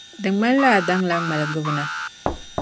Di ŋmanila a daŋla ŋmaligibu na